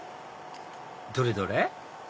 どれどれ？